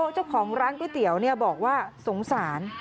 เจ้าของร้านก๋วยเตี๋ยวบอกว่าสงสาร